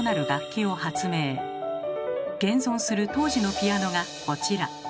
現存する当時のピアノがこちら。